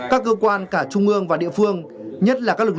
các cơ quan cả trung ương và địa phương nhất là các lực lượng